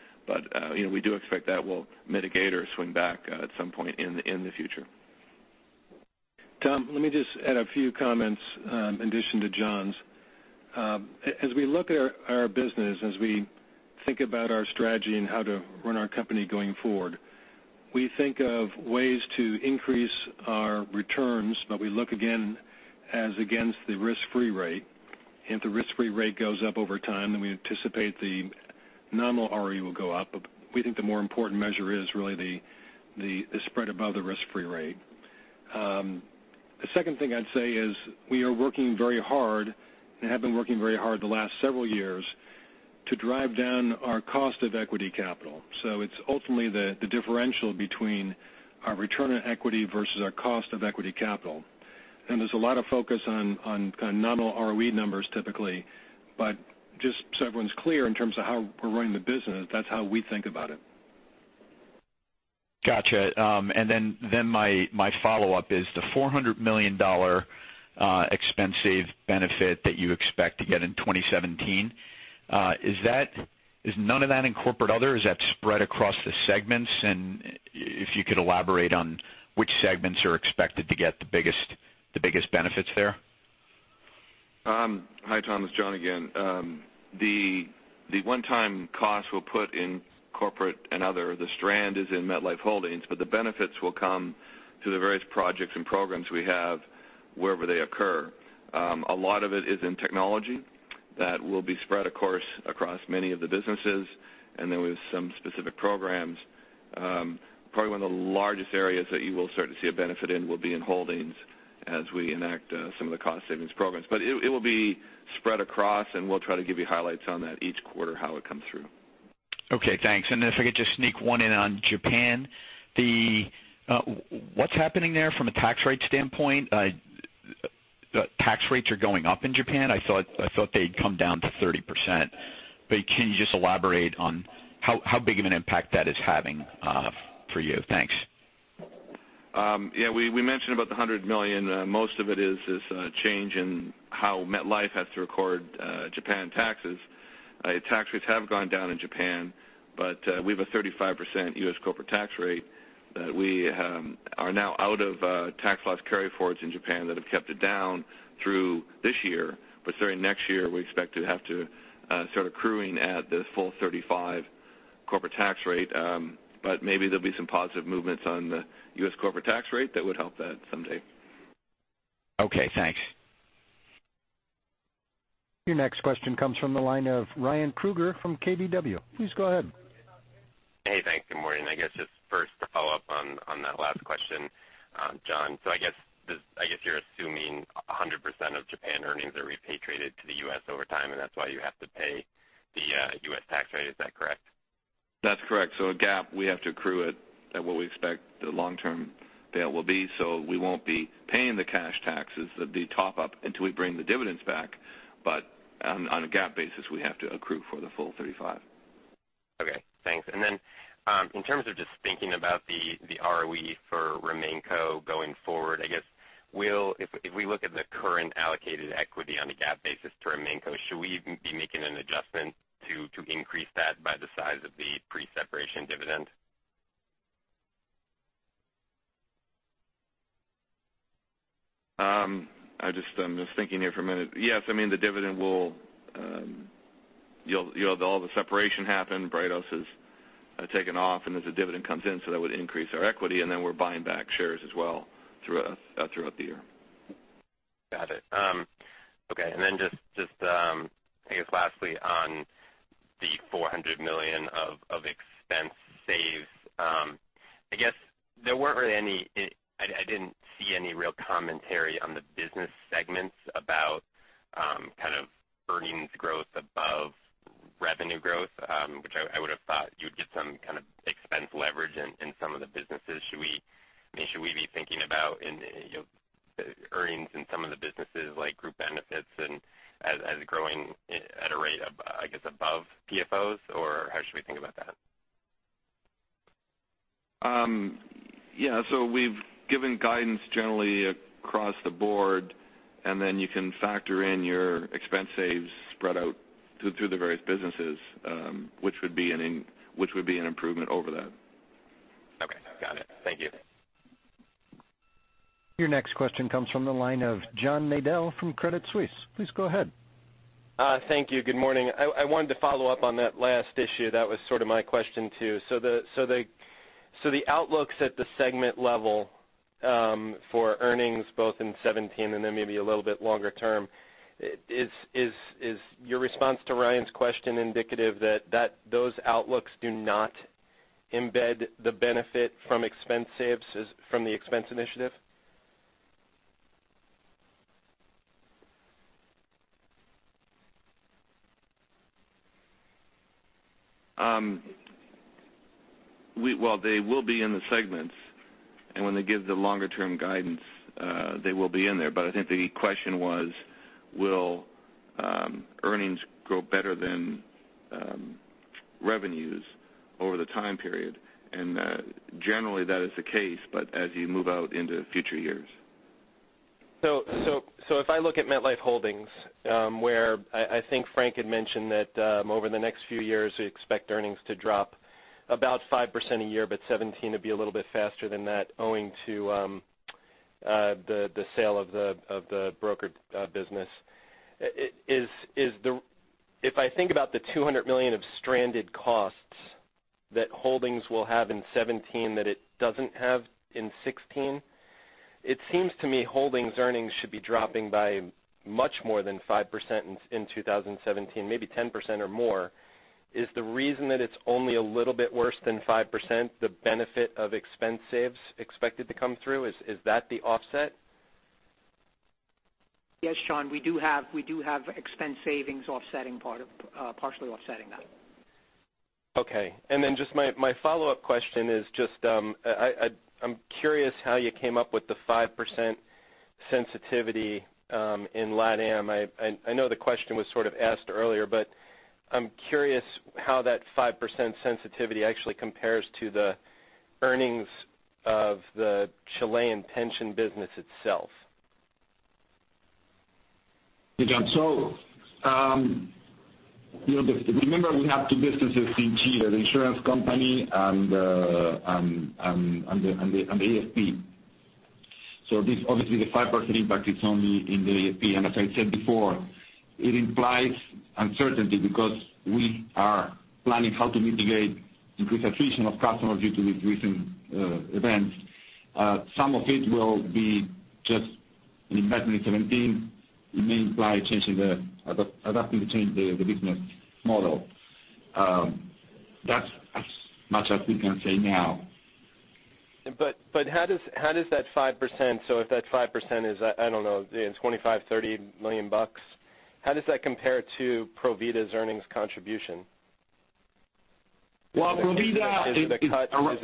S9: We do expect that will mitigate or swing back at some point in the future.
S3: Tom, let me just add a few comments in addition to John's. As we look at our business, as we think about our strategy and how to run our company going forward, we think of ways to increase our returns, we look again as against the risk-free rate. If the risk-free rate goes up over time, we anticipate the nominal ROE will go up. We think the more important measure is really the spread above the risk-free rate. The second thing I'd say is we are working very hard, and have been working very hard the last several years, to drive down our cost of equity capital. It's ultimately the differential between our return on equity versus our cost of equity capital. There's a lot of focus on kind of nominal ROE numbers typically. Just so everyone's clear in terms of how we're running the business, that's how we think about it.
S12: Got you. My follow-up is the $400 million expense save benefit that you expect to get in 2017. Is none of that in Corporate and Other? Is that spread across the segments? If you could elaborate on which segments are expected to get the biggest benefits there.
S9: Hi, Tom, it's John again. The one-time cost we'll put in corporate and other, the strand is in MetLife Holdings, but the benefits will come through the various projects and programs we have wherever they occur. A lot of it is in technology. That will be spread, of course, across many of the businesses. There was some specific programs. Probably one of the largest areas that you will start to see a benefit in will be in Holdings as we enact some of the cost savings programs. It will be spread across, and we'll try to give you highlights on that each quarter, how it comes through.
S12: Okay, thanks. If I could just sneak one in on Japan. What's happening there from a tax rate standpoint? Tax rates are going up in Japan? I thought they'd come down to 30%, but can you just elaborate on how big of an impact that is having for you? Thanks.
S9: Yeah, we mentioned about the $100 million. Most of it is this change in how MetLife has to record Japan taxes. Tax rates have gone down in Japan, but we have a 35% U.S. corporate tax rate that we are now out of tax loss carry forwards in Japan that have kept it down through this year. Starting next year, we expect to have to start accruing at the full 35% corporate tax rate. Maybe there'll be some positive movements on the U.S. corporate tax rate that would help that someday.
S12: Okay, thanks.
S1: Your next question comes from the line of Ryan Krueger from KBW. Please go ahead.
S13: Hey, thanks. Good morning. I guess just first to follow up on that last question, John. I guess you're assuming 100% of Japan earnings are repatriated to the U.S. over time, and that's why you have to pay the U.S. tax rate. Is that correct?
S9: That's correct. GAAP, we have to accrue it at what we expect the long-term rate will be. We won't be paying the cash taxes, the top up, until we bring the dividends back. On a GAAP basis, we have to accrue for the full 35%.
S13: Okay, thanks. Then, in terms of just thinking about the ROE for RemainCo going forward, I guess, if we look at the current allocated equity on a GAAP basis to RemainCo, should we even be making an adjustment to increase that by the size of the pre-separation dividend?
S9: I'm just thinking here for a minute. Yes. You'll have all the separation happen. Brighthouse has taken off. As the dividend comes in, that would increase our equity. Then we're buying back shares as well throughout the year.
S13: Got it. Okay. Just, I guess lastly, on the $400 million of expense saves, I guess I didn't see any real commentary on the business segments about kind of earnings growth above revenue growth, which I would've thought you'd get some kind of expense leverage in some of the businesses. Should we be thinking about in earnings in some of the businesses, like Group Benefits as growing at a rate of, I guess above PFOs? How should we think about that?
S9: Yeah. We've given guidance generally across the board. You can factor in your expense saves spread out through the various businesses, which would be an improvement over that.
S13: Okay. Got it. Thank you.
S1: Your next question comes from the line of John Nadel from Credit Suisse. Please go ahead.
S14: Thank you. Good morning. I wanted to follow up on that last issue. That was sort of my question, too. The outlooks at the segment level, for earnings both in 2017 and then maybe a little bit longer term, is your response to Ryan's question indicative that those outlooks do not embed the benefit from the expense initiative?
S9: Well, they will be in the segments, and when they give the longer-term guidance, they will be in there. I think the question was will earnings grow better than revenues over the time period? Generally, that is the case, but as you move out into future years.
S14: If I look at MetLife Holdings, where I think Frank had mentioned that over the next few years we expect earnings to drop about 5% a year, but 2017 would be a little bit faster than that owing to the sale of the brokered business. If I think about the $200 million of stranded costs that holdings will have in 2017 that it doesn't have in 2016, it seems to me holdings earnings should be dropping by much more than 5% in 2017, maybe 10% or more. Is the reason that it's only a little bit worse than 5% the benefit of expense saves expected to come through? Is that the offset?
S8: Yes, John, we do have expense savings partially offsetting that.
S14: Okay. Then just my follow-up question is just I'm curious how you came up with the 5% sensitivity in LatAm. I know the question was sort of asked earlier, but I'm curious how that 5% sensitivity actually compares to the earnings of the Chilean pension business itself.
S6: Hey, John. Remember we have 2 businesses in Chile, the insurance company and the AFP. This obviously the 5% impact is only in the AFP. As I said before, it implies uncertainty because we are planning how to mitigate increased attrition of customers due to these recent events. Some of it will be just an impact in 2017. It may imply adapting to change the business model. That's as much as we can say now.
S14: How does that 5%, so if that 5% is, I don't know, $25 million-$30 million, how does that compare to Provida's earnings contribution?
S6: Well, Provida.
S14: Is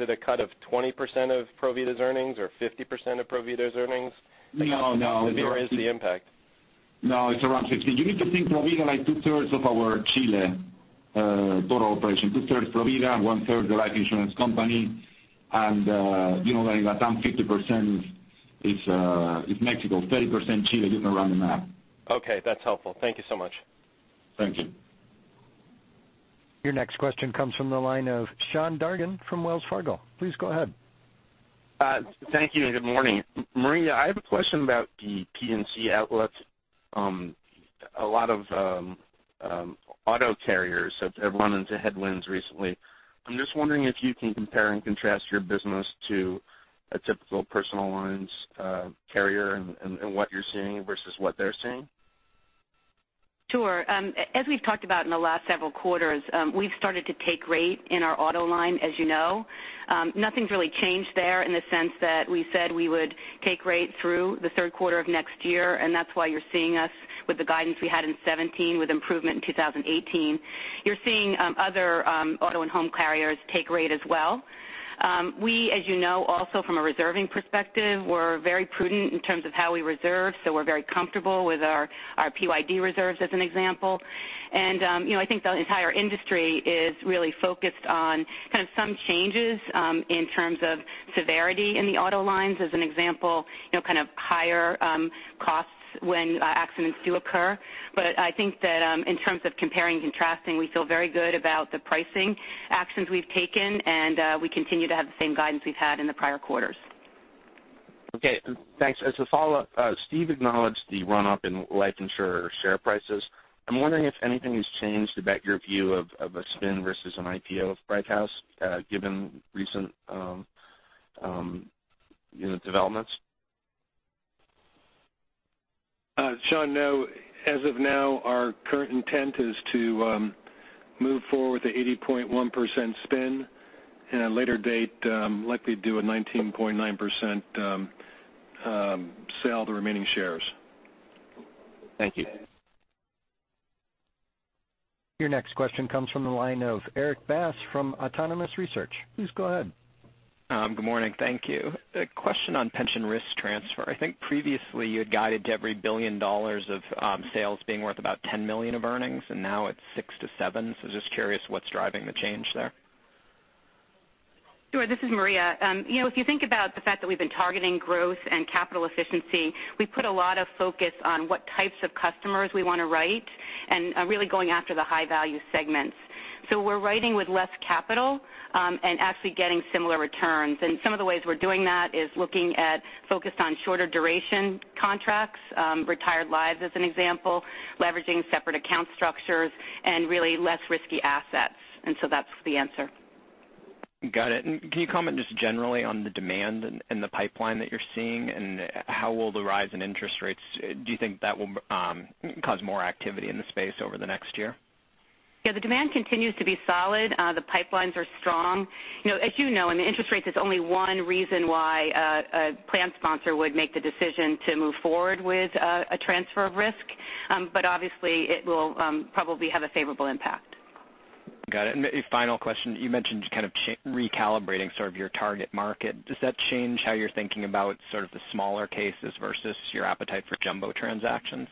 S14: it a cut of 20% of Provida's earnings or 50% of Provida's earnings?
S6: No.
S14: Where is the impact?
S6: No, it's around 15. You need to think Provida like two-thirds of our Chile total operation. Two-thirds Provida, one-third the life insurance company, and you know that in LatAm, 50% is Mexico, 30% Chile, give or round the math.
S14: Okay, that's helpful. Thank you so much.
S6: Thank you.
S1: Your next question comes from the line of Sean Dargan from Wells Fargo. Please go ahead.
S15: Thank you and good morning. Maria, I have a question about the P&C outlook. A lot of auto carriers have run into headwinds recently. I'm just wondering if you can compare and contrast your business to a typical personal lines carrier and what you're seeing versus what they're seeing.
S4: Sure. As we've talked about in the last several quarters, we've started to take rate in our auto line, as you know. Nothing's really changed there in the sense that we said we would take rate through the third quarter of next year, and that's why you're seeing us with the guidance we had in 2017 with improvement in 2018. You're seeing other auto and home carriers take rate as well. We, as you know, also from a reserving perspective, we're very prudent in terms of how we reserve. We're very comfortable with our PYD reserves, as an example. I think the entire industry is really focused on kind of some changes in terms of severity in the auto lines, as an example, kind of higher cost when accidents do occur. I think that in terms of comparing, contrasting, we feel very good about the pricing actions we've taken, and we continue to have the same guidance we've had in the prior quarters.
S15: Okay, thanks. As a follow-up, Steve acknowledged the run-up in life insurer share prices. I'm wondering if anything has changed about your view of a spin versus an IPO of Brighthouse given recent developments.
S9: Sean, no. As of now, our current intent is to move forward with the 80.1% spin. At a later date, likely do a 19.9% sell the remaining shares.
S15: Thank you.
S1: Your next question comes from the line of Erik Bass from Autonomous Research. Please go ahead.
S16: Good morning. Thank you. A question on pension risk transfer. I think previously you had guided to every $1 billion of sales being worth about $10 million of earnings, and now it's six to seven. Just curious what's driving the change there?
S4: Sure. This is Maria. If you think about the fact that we've been targeting growth and capital efficiency, we put a lot of focus on what types of customers we want to write and really going after the high-value segments. We're writing with less capital, and actually getting similar returns. Some of the ways we're doing that is looking at focused on shorter duration contracts, retired lives as an example, leveraging separate account structures and really less risky assets. That's the answer.
S16: Got it. Can you comment just generally on the demand and the pipeline that you're seeing, and how will the rise in interest rates, do you think that will cause more activity in the space over the next year?
S4: Yeah, the demand continues to be solid. The pipelines are strong. As you know, in the interest rates is only one reason why a plan sponsor would make the decision to move forward with a transfer of risk. Obviously it will probably have a favorable impact.
S16: Got it. A final question. You mentioned kind of recalibrating sort of your target market. Does that change how you're thinking about sort of the smaller cases versus your appetite for jumbo transactions?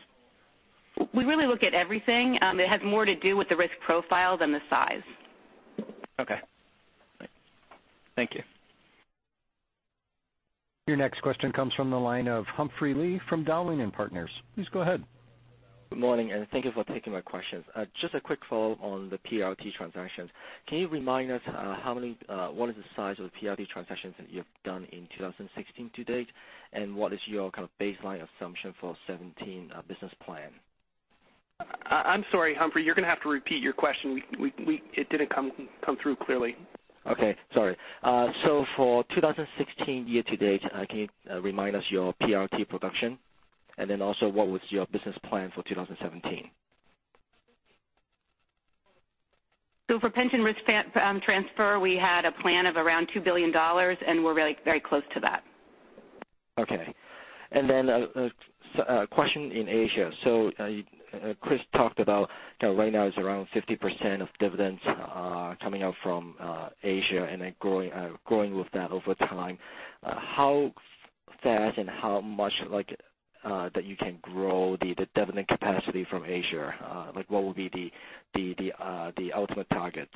S4: We really look at everything. It has more to do with the risk profile than the size.
S16: Okay. Thank you.
S1: Your next question comes from the line of Humphrey Lee from Dowling & Partners. Please go ahead.
S17: Good morning. Thank you for taking my questions. Just a quick follow-up on the PRT transactions. Can you remind us what is the size of PRT transactions that you've done in 2016 to date, and what is your kind of baseline assumption for 2017 business plan?
S1: I'm sorry, Humphrey, you're going to have to repeat your question. It didn't come through clearly.
S17: Sorry. For 2016 year to date, can you remind us your PRT production? Also, what was your business plan for 2017?
S4: For pension risk transfer, we had a plan of around $2 billion, and we're very close to that.
S17: Okay. A question in Asia. Chris talked about right now is around 50% of dividends coming out from Asia and then growing with that over time. How fast and how much that you can grow the dividend capacity from Asia? What will be the ultimate targets?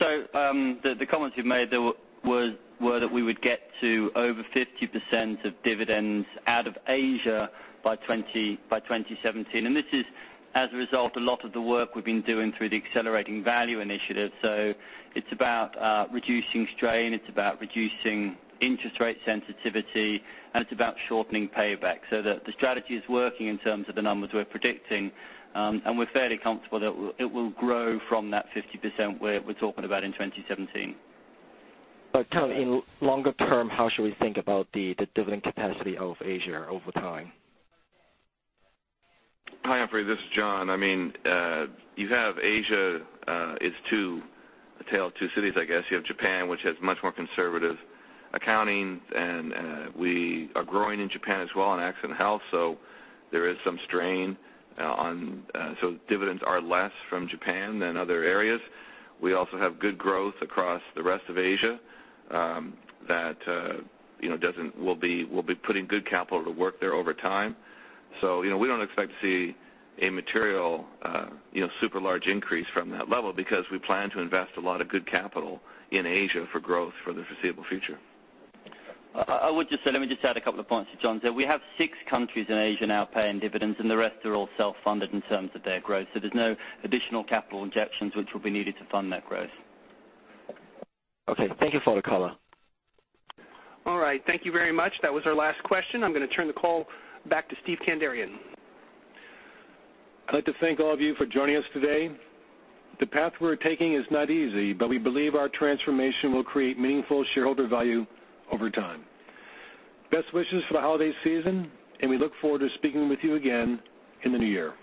S5: The comments we've made there were that we would get to over 50% of dividends out of Asia by 2017. This is as a result of a lot of the work we've been doing through the Accelerating Value initiative. It's about reducing strain, it's about reducing interest rate sensitivity, and it's about shortening payback so that the strategy is working in terms of the numbers we're predicting. We're fairly comfortable that it will grow from that 50% we're talking about in 2017.
S17: kind of in longer term, how should we think about the dividend capacity of Asia over time?
S9: Hi, Humphrey. This is John. You have Asia is a tale of two cities, I guess. You have Japan, which has much more conservative accounting, and we are growing in Japan as well in accident and health, so there is some strain. Dividends are less from Japan than other areas. We also have good growth across the rest of Asia that we'll be putting good capital to work there over time. We don't expect to see a material super large increase from that level because we plan to invest a lot of good capital in Asia for growth for the foreseeable future.
S5: I would just say, let me just add a couple of points to John's. We have six countries in Asia now paying dividends, and the rest are all self-funded in terms of their growth. There's no additional capital injections which will be needed to fund that growth.
S17: Okay. Thank you for the color.
S1: All right. Thank you very much. That was our last question. I'm going to turn the call back to Steve Kandarian.
S3: I'd like to thank all of you for joining us today. The path we're taking is not easy, but we believe our transformation will create meaningful shareholder value over time. Best wishes for the holiday season, and we look forward to speaking with you again in the new year.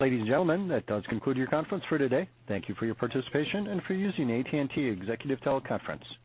S1: Ladies and gentlemen, that does conclude your conference for today. Thank you for your participation and for using AT&T Executive Teleconference.